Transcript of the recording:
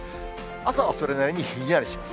朝はそれなりにひんやりします。